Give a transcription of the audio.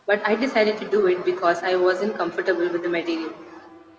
But I decided to do it because I "wasn't" comfortable with the material.